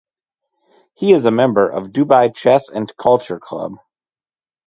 He is member of Dubai Chess and Culture Club.